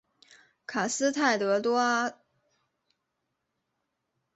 卡斯泰德多阿。